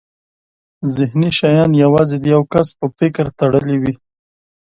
ذهني شیان یوازې د یو کس په فکر تړلي وي.